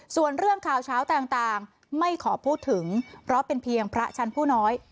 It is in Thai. ส่วนเรื่องข่าวเช้าต่างไม่ขอพูดถึงเพราะเป็นเพียงพระชั้นผู้น้อย